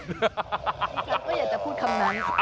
ฉันก็อยากจะพูดคำนั้น